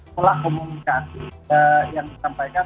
sekolah komunikasi yang disampaikan